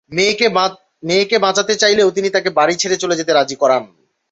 মেয়েকে বাঁচাতে চাইলেও তিনি তাকে বাড়ি ছেড়ে চলে যেতে রাজি করান।